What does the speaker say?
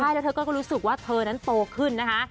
แล้วเธอก็รู้สึกว่าเธอนั้นโตขึ้นนะคะ